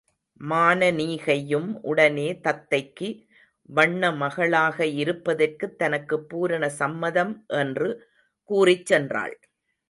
மானனீகையும் உடனே தத்தைக்கு வண்ணமகளாக இருப்பதற்குத் தனக்குப் பூரண சம்மதம் என்று கூறிச் சென்றாள்.